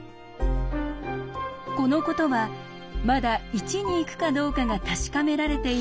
このことはまだ１に行くかどうかが確かめられていない